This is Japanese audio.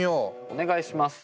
お願いします！